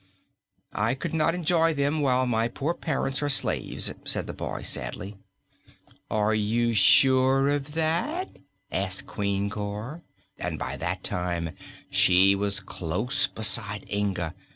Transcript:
"I could not enjoy them while my poor parents are slaves," said the boy, sadly. "Are you sure of that?" asked Queen Cor, and by that time she was close beside Inga.